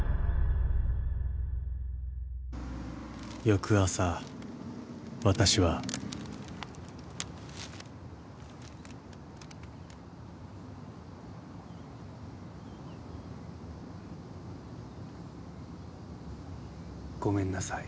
［翌朝私は］ごめんなさい。